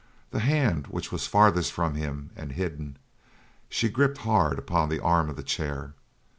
The hand which was farthest from him, and hidden, she gripped hard upon the arm of the chair.